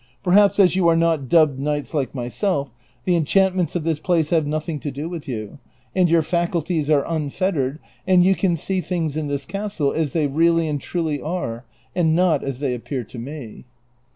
Perhaps as you are not dubbed knights like myself, the en chantments of this place have nothing to do with you, and your faculties are imfettered, and you can see things in this castle as they really and truly are, and not as they appear to me."